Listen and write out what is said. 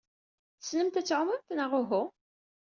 Tessnemt ad tɛumemt, neɣ uhu?